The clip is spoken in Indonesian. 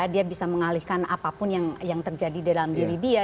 dia bisa mengalihkan apapun yang terjadi dalam diri dia